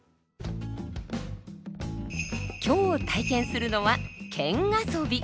今日体験するのは拳遊び。